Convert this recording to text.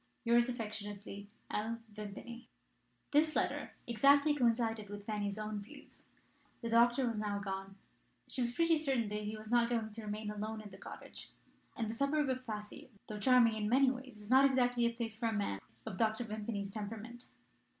"Yours affectionately, L. Vimpany." This letter exactly coincided with Fanny's own views. The doctor was now gone. She was pretty certain that he was not going to remain alone in the cottage; and the suburb of Passy, though charming in many ways, is not exactly the place for a man of Dr. Vimpany's temperament.